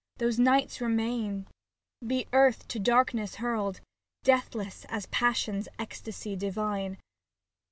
Those nights remain, be earthto darkness hurled. Deathless, as passion's ecstasy divine.